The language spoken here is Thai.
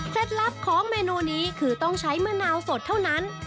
ลับของเมนูนี้คือต้องใช้มะนาวสดเท่านั้น